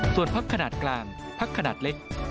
ส่วนพักขนาดกลางพักขนาดเล็ก